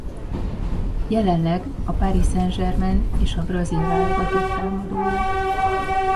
Jelenleg a Paris Saint-Germain és a brazil válogatott támadója.